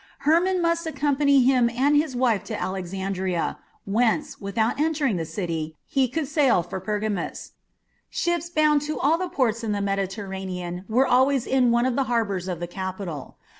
Hermon must accompany him and his wife to Alexandria, whence, without entering the city, he could sail for Pergamus; ships bound to all the ports in the Mediterranean were always in one of the harbours of the capital.